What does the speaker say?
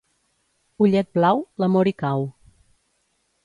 Ullet blau, l'amor hi cau.